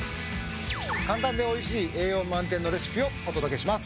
簡単で美味しい栄養満点のレシピをお届けします。